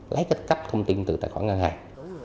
lấy cái cấp thông tin từ tài khoản ngân hàng